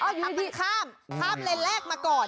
เป็นยังไงติดตามในช่วงตลอดภาพแปด